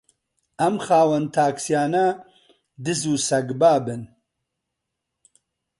ئەم خاوەن تاکسییانە دز و سەگبابن